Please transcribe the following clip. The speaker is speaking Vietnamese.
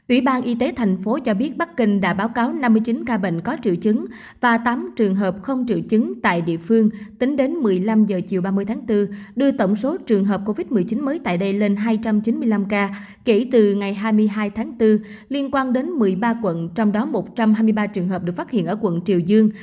ủy ban y tế thành phố cho biết bắc kinh đã báo cáo năm mươi chín ca bệnh có triệu chứng và tám trường hợp không triệu chứng tại địa phương tính đến một mươi năm h chiều ba mươi tháng bốn đưa tổng số trường hợp covid một mươi chín mới tại đây lên hai trăm chín mươi năm ca kể từ ngày hai mươi hai tháng bốn liên quan đến một mươi ba quận trong đó một trăm hai mươi ba trường hợp được phát hiện ở quận triều dương